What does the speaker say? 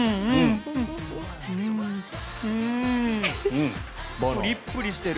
うーん！プリプリしてる。